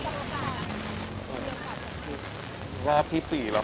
คือเราคุยกันเหมือนเดิมตลอดเวลาอยู่แล้วไม่ได้มีอะไรสูงแรง